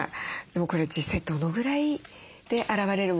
でもこれは実際どのぐらいで現れるものでしょうか？